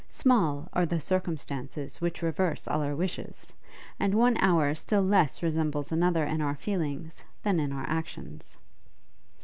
Small are the circumstances which reverse all our wishes! and one hour still less resembles another in our feelings, than in our actions.